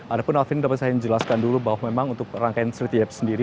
ada pun alfian dapat saya jelaskan dulu bahwa memang untuk rangkaian sertijab sendiri